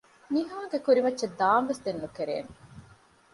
ނިހާގެ ކުރިމައްޗަށް ދާންވެސް ދެން ނުކެރޭނެ